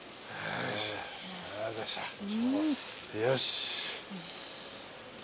よし。